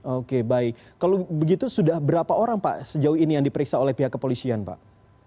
oke baik kalau begitu sudah berapa orang pak sejauh ini yang diperiksa oleh pihak kepolisian pak